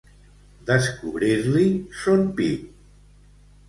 Descobrir-li son pit.